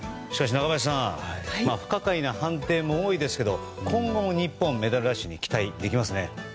しかし中林さん不可解な判定も多いですけど今後も日本、メダルラッシュに期待できますね。